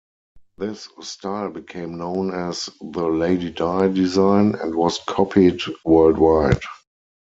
This style became known as the "Lady Di" design and was copied worldwide.